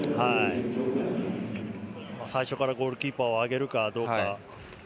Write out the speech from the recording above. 最初からゴールキーパーを上げるかどうか。